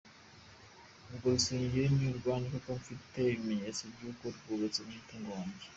Urwo rusengero ni urwanjye, kuko mfite ibimenyetso by’uko rwubatswe n’umutungo wanjye.